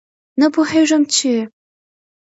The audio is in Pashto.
نه پوهېږم چې